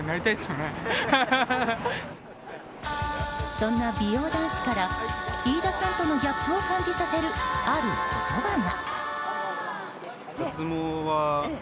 そんな美容男子から飯田さんとのギャップを感じさせるある言葉が。